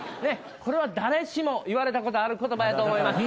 これは誰しも言われた事ある言葉やと思います。